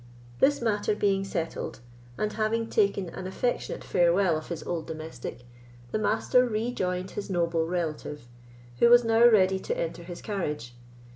This matter being settled, and having taken an affectionate farewell of his old domestic, the Master rejoined his noble relative, who was now ready to enter his carriage.